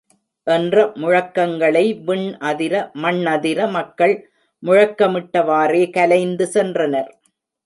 என்ற முழக்கங்களை விண் அதிர, மண்ணதிர மக்கள் முழக்கமிட்டவாறே கலைந்து சென்றனர்.